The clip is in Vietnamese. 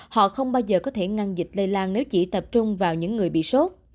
họ không bao giờ có thể ngăn dịch lây lan nếu chỉ tập trung vào những người bị sốt